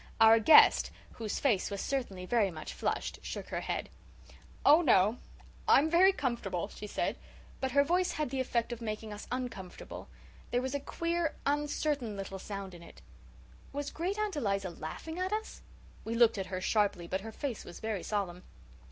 Our guest, whose face was certainly very much flushed, shook her head. "Oh, no, I'm very comfortable," she said. But her voice had the effect of making us uncomfortable. There was a queer, uncertain little sound in it. Was Great aunt Eliza laughing at us? We looked at her sharply but her face was very solemn.